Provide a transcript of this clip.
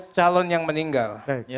calon yang meninggal